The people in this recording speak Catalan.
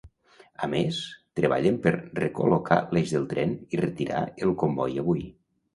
A més, treballen per recol·locar l’eix del tren i retirar el comboi avui.